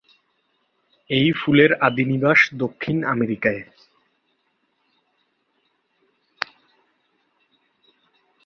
এই ফুলের আদি নিবাস দক্ষিণ আমেরিকা।